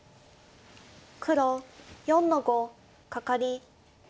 黒４の五カカリ。